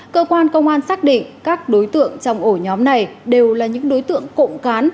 cơ quan công an xác định các đối tượng trong ổ nhóm này đều là những đối tượng cộng cán